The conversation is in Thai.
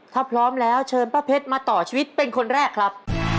ถ้าพร้อมแล้วเชิญป้าเพชรมาต่อชีวิตเป็นคนแรกครับ